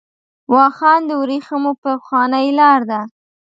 واخان د ورېښمو پخوانۍ لار ده .